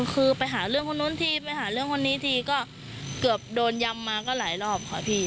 คือไปหาเรื่องคนนู้นทีไปหาเรื่องคนนี้ทีก็เกือบโดนยำมาก็หลายรอบค่ะพี่